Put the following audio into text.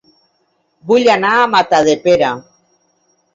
Vull anar a Matadepera